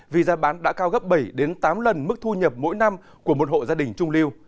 vì giá bán đã cao gấp bảy tám lần mức thu nhập mỗi năm của một hộ gia đình trung lưu